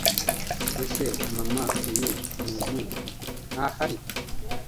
Ese mama uyu muntu ntahari?